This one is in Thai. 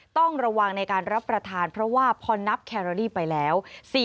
ต้องระวังในการรับประทานเพราะว่าพอนับแครอรี่ไปแล้ว